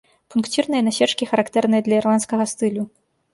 Пункцірныя насечкі характэрныя для ірландскага стылю.